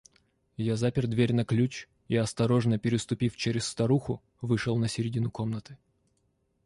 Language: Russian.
Я запер дверь на ключ и, осторожно переступив через старуху, вышел на середину комнаты.